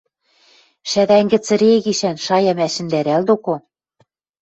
— Шӓдӓнгӹ цӹре гишӓн шаям ӓшӹндӓрӓл доко.